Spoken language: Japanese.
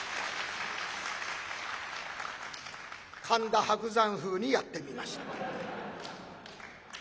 神田伯山風にやってみました。